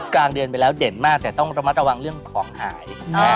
กลางเดือนไปแล้วเด่นมากแต่ต้องระมัดระวังเรื่องของหาย